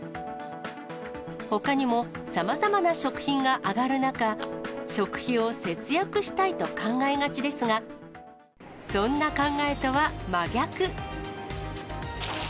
ほかにもさまざまな食品が上がる中、食費を節約したいと考えがちですが、そんな考えとは真逆。